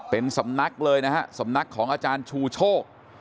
เป็นสำนักเลยนะฮะสำนักของอาจารย์ชูโชค